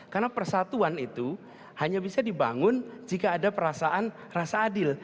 karena persatuan itu hanya bisa dibangun jika ada perasaan rasa adil